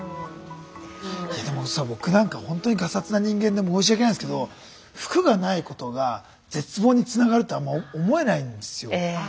僕なんかほんとにがさつな人間で申し訳ないんですけど服がないことが絶望につながるってあんま思えないんですよ。